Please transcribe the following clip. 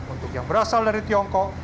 untuk yang berasal dari tiongkok